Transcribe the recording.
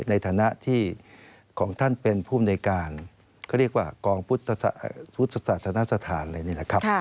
ในฐานะที่ของท่านเป็นผู้อำนวยการเขาเรียกว่ากองพุทธศาสนาสถานอะไรเนี่ยนะครับ